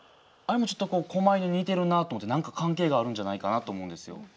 あれもちょっと狛犬に似てるなと思って何か関係があるんじゃないかなと思うんですよ。